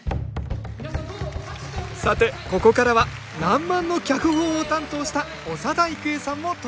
さてここからは「らんまん」の脚本を担当した長田育恵さんも登場。